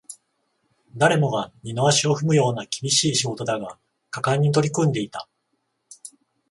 誰もが二の足を踏むような厳しい仕事だが、果敢に取り組んでいた